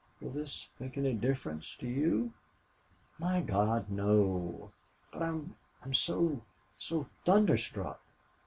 Will this make any difference to you?" "My God, no! But I'm so so thunderstruck....